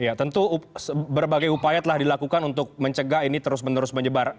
ya tentu berbagai upaya telah dilakukan untuk mencegah ini terus menerus menyebar